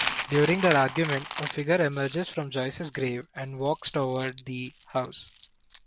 During their argument, a figure emerges from Joyce's grave and walks toward the house.